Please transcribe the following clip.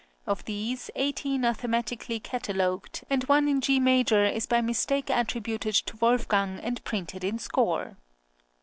} (10) these, eighteen are thematically catalogued,[10010] and one in G major is by mistake attributed to Wolfgang, and printed in score.